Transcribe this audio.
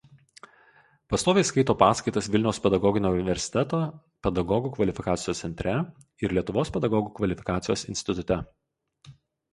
Pastoviai skaito paskaitas Vilniaus pedagoginio universiteto Pedagogų kvalifikacijos centre ir Lietuvos pedagogų kvalifikacijos institute.